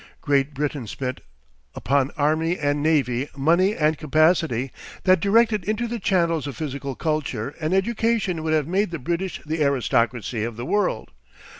Great Britain spent upon army and navy money and capacity, that directed into the channels of physical culture and education would have made the British the aristocracy of the world.